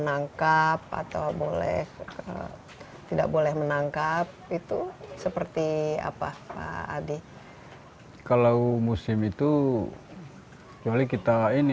lengkap atau boleh tidak boleh menangkap itu seperti apa adik kalau musim itu kali kita ini